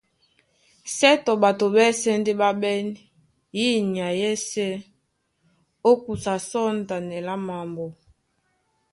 Sětɔ ɓato ɓásɛ̄ ndé ɓá ɓɛ́n yí nyay yɛ́sē ó kusa sɔ̂ŋtanɛ lá mambo.